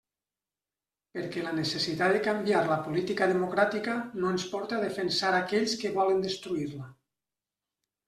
Perquè la necessitat de canviar la política democràtica no ens porte a defensar aquells que volen destruir-la.